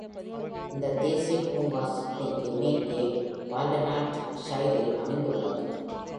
இந்த தேசிய பூங்கா சிட்னிக்கு மேற்கே பால்ரனால்ட் ஷைரில் அமைந்துள்ளது.